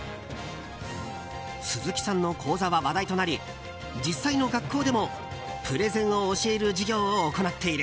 鈴木さんの講座は話題となり実際の学校でもプレゼンを教える授業を行っている。